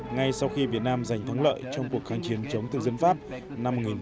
ngay sau khi việt nam giành thắng lợi trong cuộc kháng chiến chống tương dân pháp năm một nghìn chín trăm năm mươi bốn